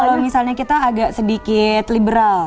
kalau misalnya kita agak sedikit liberal